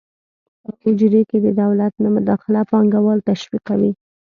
په اجورې کې د دولت نه مداخله پانګوال تشویقوي.